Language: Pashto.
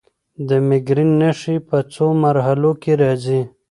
د مېګرین نښې په څو مرحلو کې راځي.